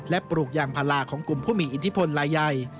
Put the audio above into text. และปลูกยางพาราของกลุ่มผู้มีอิทธิพลลายใหญ่